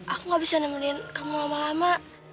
aku gak bisa nemuin kamu lama lama